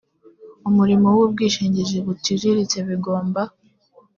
umurimo w ubwishingizi buciriritse kigomba